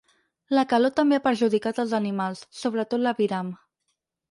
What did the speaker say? La calor també ha perjudicat els animals, sobretot l’aviram.